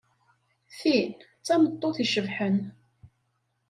Tin d tameṭṭut icebḥen.